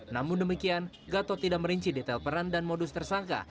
namun demikian gatot tidak merinci detail peran dan modus tersangka